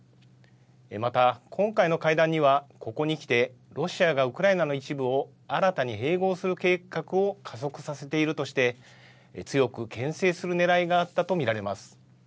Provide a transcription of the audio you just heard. また、今回の会談には、ここにきて、ロシアがウクライナの一部を新たに併合する計画を加速させているとして、強くけん制するねらいがあったと見られます。